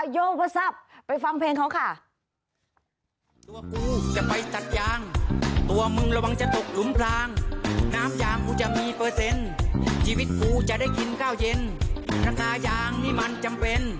โยก็ซับไปฟังเพลงเขาค่ะ